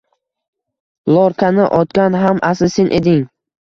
Lorkani otgan ham asli sen eding.